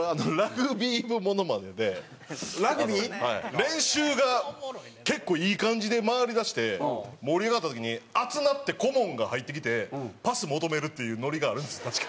練習が結構いい感じで回りだして盛り上がった時に熱なって顧問が入ってきてパス求めるっていうノリがあるんです確か。